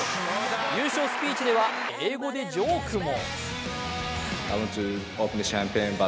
優勝スピーチでは英語でジョークも。